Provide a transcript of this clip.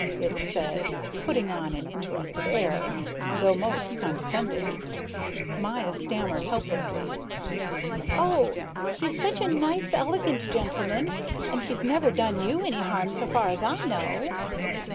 it said, putting on an interested air, though most condescending. Maya stammered helplessly: "Oh, he's such a nice, elegant gentleman, and he's never done you any harm so far as I know."